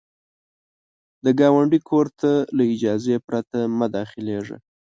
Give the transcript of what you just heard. د ګاونډي کور ته له اجازې پرته مه داخلیږه